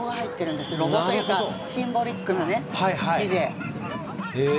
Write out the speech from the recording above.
ロゴというかシンボリックな字で。